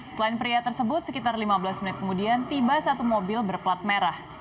selain pria tersebut sekitar lima belas menit kemudian tiba satu mobil berplat merah